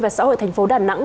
và xã hội thành phố đà nẵng